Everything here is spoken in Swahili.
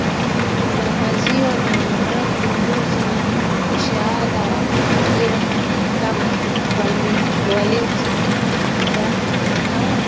za maziwa na wanawake nyuzi na mshahara wa ajira kama walinzi wa usalama au